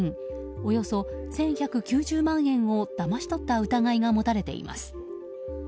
およそ１１９０万円をだまし取った疑いが持たれています。